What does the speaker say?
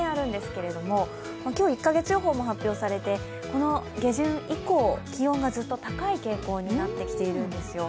今日、１か月予報も発表されて、下旬以降、気温がずっと高い傾向になるんですよ。